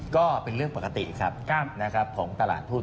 ก็เป็นเรื่องปกติครับของตลาดทุน